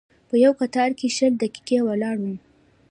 په یوه کتار کې شل دقیقې ولاړ وم.